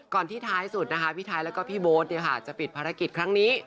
ที่ท้ายสุดนะคะพี่ไทยแล้วก็พี่โบ๊ทจะปิดภารกิจครั้งนี้